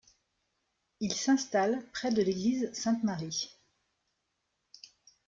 Il s'installe près de l'église Sainte-Marie.